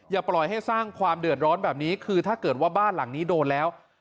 อย่าปล่อยให้สร้างความเดือดร้อนแบบนี้คือถ้าเกิดว่าบ้านหลังนี้โดนแล้ว